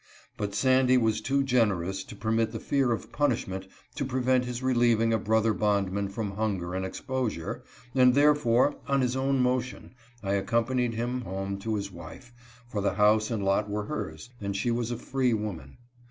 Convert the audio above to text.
But Sandy was too generous to permit the fear of punishment to prevent his relieving a brother bond man from hunger and exposure, and therefore, on his own motion, I accompanied him home to his wife — for the house and lot were hers, as she wTas a free woman.